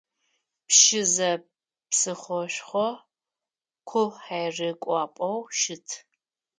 Пшызэ псыхъошхо, къухьэрыкӏуапӏэу щыт.